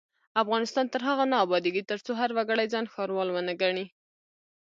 افغانستان تر هغو نه ابادیږي، ترڅو هر وګړی ځان ښاروال ونه ګڼي.